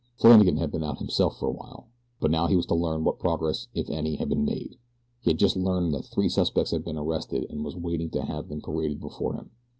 Flannagan had been out himself for a while; but now he was in to learn what progress, if any, had been made. He had just learned that three suspects had been arrested and was waiting to have them paraded before him.